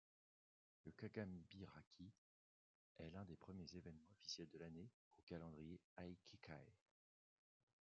Le Kagamibiraki est l’un des premiers évènements officiels de l’année au calendrier Aïkikaï.